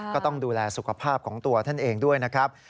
ก็ต้องดูแลสุขภาพของตัวท่านเองด้วยนะครับ